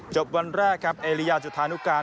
จบวันแรกเอเลียจุธานุกาล